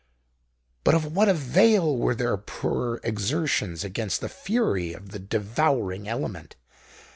But of what avail were their poor exertions against the fury of the devouring element?